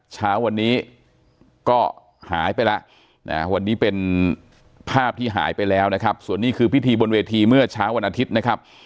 เช้าวันนี้ก็หายไปแล้วนะวันนี้เป็นภาพที่หายไปแล้วนะครับส่วนนี้คือพิธีบนเวทีเมื่อเช้าวันอาทิตย์นะครับ